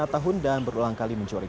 lima tahun dan berulang kali mencuri